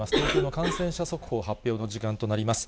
東京の感染者速報発表の時間となります。